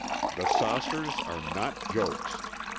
_ _"The saucers are not jokes.